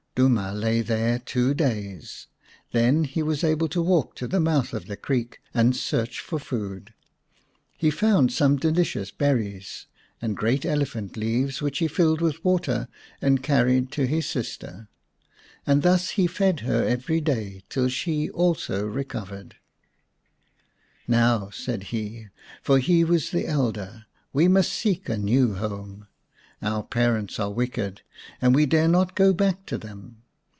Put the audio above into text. Duma lay there two days ; then he was able to walk to the mouth of the creek and search for food. He found some delicious berries and great elephant leaves, which he filled with water and carried to his sister ; and thus he fed her every day till she also recovered. 121 The Fairy Bird " Now/' said he, for he was the elder, " we must seek a new home. Our parents are wicked, and we dare not go back to them.